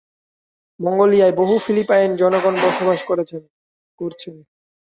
মঙ্গোলিয়ায় বহু ফিলিপাইন জনগণ বসবাস করছেন।